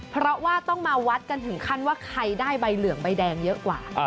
เพราะว่าต้องมาวัดกันถึงขั้นว่าใครได้ใบเหลืองใบแดงเยอะกว่า